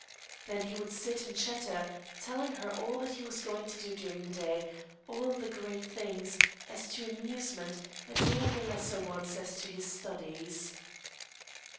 There he would sit and chatter, telling her all that he was going to do during the day — all the great things, as to amusement, and all the lesser ones, as to his studies.